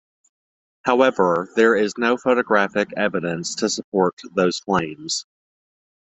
However, there is no photographic evidence to support those claims.